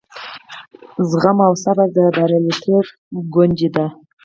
زغم او صبر د بریالیتوب کونجۍ ده.